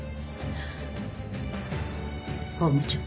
本部長。